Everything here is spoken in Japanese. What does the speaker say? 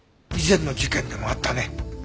以前の事件でもあったね。